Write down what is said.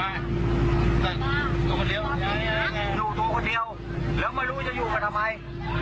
อยู่ตัวคนเดียวแล้วไม่รู้จะอยู่กับทำไม